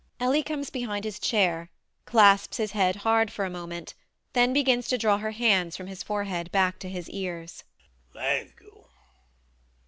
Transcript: [Ellie comes behind his chair; clasps his head hard for a moment; then begins to draw her hands from his forehead back to his ears]. Thank you.